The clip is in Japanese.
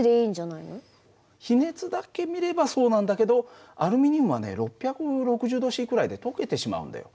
比熱だけ見ればそうなんだけどアルミニウムはね６６０℃くらいで溶けてしまうんだよ。